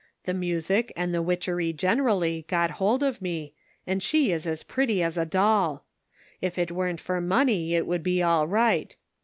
The music and the witchery generally got hold of me, and she is as pretty as a doll. If it weren't for money it would be all right.